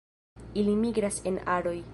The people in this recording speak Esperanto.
Ili migras en aroj.